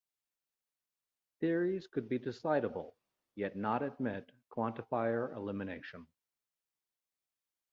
Theories could be decidable yet not admit quantifier elimination.